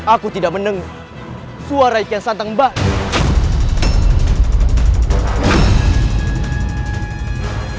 aku tidak mendengar suara kian santang mbah